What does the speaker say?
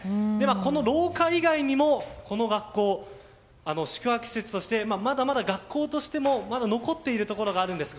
この廊下以外にもこの学校、宿泊施設としてまだまだ学校としても残っているところがあるんです。